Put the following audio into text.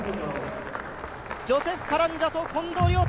ジョセフ・カランジャと近藤亮太。